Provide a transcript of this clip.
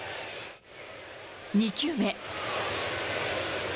２球目。